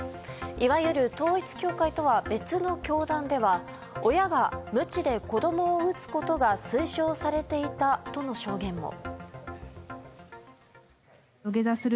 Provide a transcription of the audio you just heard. いわゆる統一教会とは別の教団では親がむちで子供を打つことが推奨されたとの証言も。